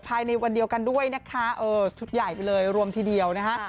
ภายในวันเดียวกันด้วยนะคะเออชุดใหญ่ไปเลยรวมทีเดียวนะคะ